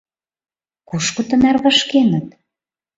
Кушко тынар вашкеныт?